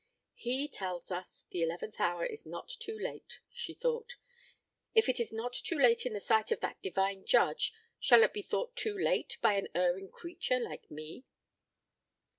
"He tells us the eleventh hour is not too late," she thought. "If it is not too late in the sight of that Divine Judge, shall it be thought too late by an erring creature like me?"